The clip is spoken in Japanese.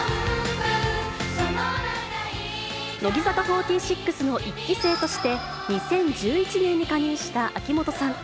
乃木坂４６の１期生として、２０１１年に加入した秋元さん。